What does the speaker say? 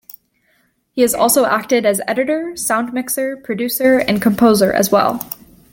He has also acted as editor, sound mixer, producer, and composer as well.